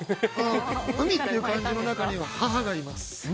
海っていう漢字の中には母がいます。